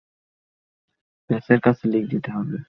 তাহলে আমাদের এটা প্রেসের কাছে লিক করে দিতে হবে।